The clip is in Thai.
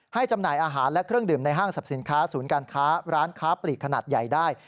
จำหน่ายอาหารและเครื่องดื่มในห้างสรรพสินค้าศูนย์การค้าร้านค้าปลีกขนาดใหญ่ได้